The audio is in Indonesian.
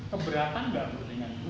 keberatan gak menurut ibu